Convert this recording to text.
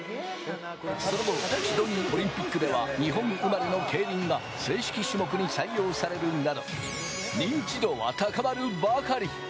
その後、シドニーオリンピックでは日本生まれのケイリンが正式種目に採用されるなど、認知度は高まるばかり。